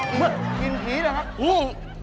เหมือนกินผีนะครับ